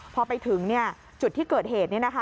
พอไปถึงจุดที่เกิดเหตุ